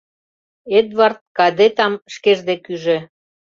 Эдвард Кадетам шкеж дек ӱжӧ.